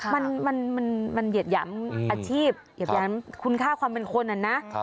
มันเหยียดหยามอาชีพเหยียบหยามคุณค่าความเป็นคนอะนะ